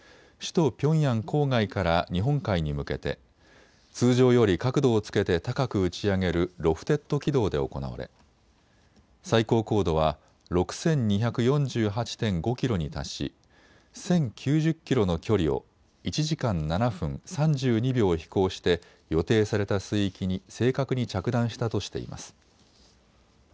首都ピョンヤン郊外から日本海に向けて通常より角度をつけて高く打ち上げるロフテッド軌道で行われ、最高高度は６２４８．５キロに達し１０９０キロの距離を１時間７分３２秒飛行して予定された水域に正確に着弾したとしています。